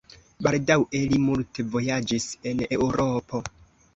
Baldaŭe li multe vojaĝis en Eŭropo.